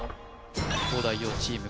東大王チーム